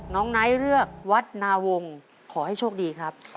ไนท์เลือกวัดนาวงศ์ขอให้โชคดีครับ